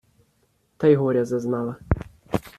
Та й горя зазнала